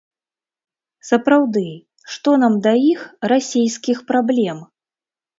Сапраўды, што нам да іх, расейскіх, праблем?